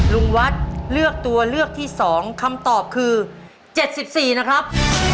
ลุงวัดเลือกตัวเลือกที่๒คำตอบคือ๗๔นะครับ